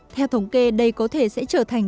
theo thống kê đây có thể sẽ trở thành